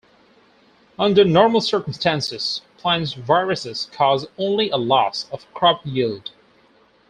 Under normal circumstances, plant viruses cause only a loss of crop yield.